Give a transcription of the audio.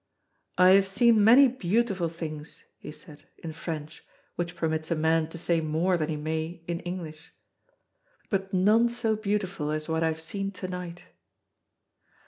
"I have seen many beautiful things," he said, in French, which permits a man to say more than he may I in English, "but none so beautiful as what I have seen to night."